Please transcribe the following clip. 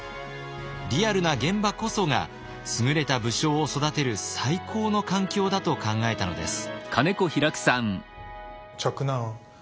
リアルな現場こそが優れた武将を育てる最高の環境だと考えたのです。